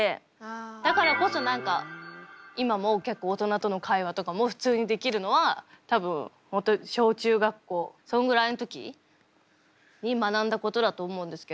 だからこそ今も結構大人との会話とかも普通にできるのは多分小中学校そんぐらいん時に学んだことだと思うんですけど。